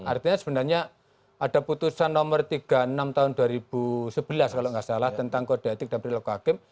artinya sebenarnya ada putusan nomor tiga puluh enam tahun dua ribu sebelas kalau nggak salah tentang kode etik dan perilaku hakim